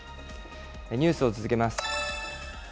ニュースを続けます。